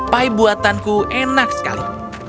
pai buatanku enak sekali